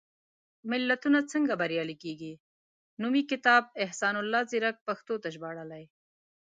ملتونه څنګه بریالي کېږي؟ نومي کتاب، احسان الله ځيرک پښتو ته ژباړلی.